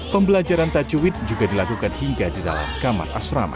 pembelajaran tajwid juga dilakukan hingga di dalam kamar asrama